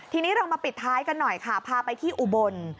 ทีนี้เรามาปิดท้ายกันหน่อยค่ะพาไปที่อุบล